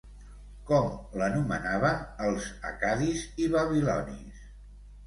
Com l'anomenaven els accadis i babilonis?